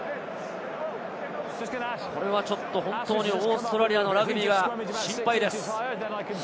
これはちょっと本当にオーストラリアのラグビーが心配です。